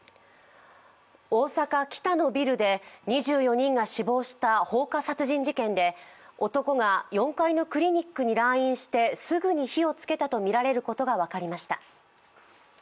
大阪・キタのビルで２４人が死亡した放火殺人事件で男が４階のクリニックに来院してすぐに火をつけたとみられることが分かりました。